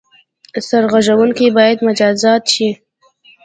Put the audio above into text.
سرغړوونکي باید مجازات شي.